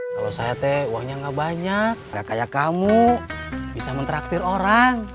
kalau saya teh uangnya gak banyak kayak kamu bisa mentraktir orang